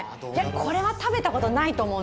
これは食べたことないと思う。